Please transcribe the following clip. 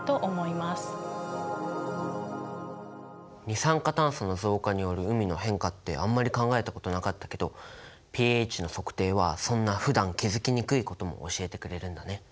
二酸化炭素の増加による海の変化ってあんまり考えたことなかったけどｐＨの測定はそんなふだん気付きにくいことも教えてくれるんだね。